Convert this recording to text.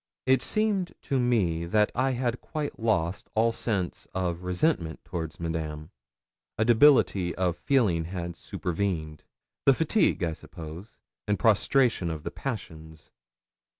It seemed to me that I had quite lost all sense of resentment towards Madame. A debility of feeling had supervened the fatigue, I suppose, and prostration of the passions.